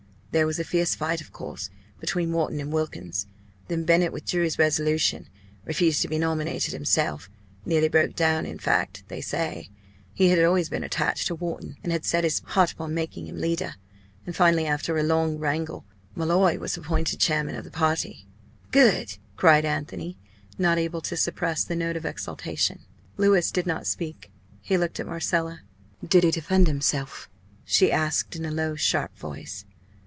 There was a fierce fight, of course, between Wharton and Wilkins. Then Bennett withdrew his resolution, refused to be nominated himself nearly broke down, in fact, they say; he had always been attached to Wharton, and had set his heart upon making him leader and finally, after a long wrangle, Molloy was appointed chairman of the party." "Good!" cried Anthony, not able to suppress the note of exultation. Louis did not speak. He looked at Marcella. "Did he defend himself?" she asked in a low, sharp voice.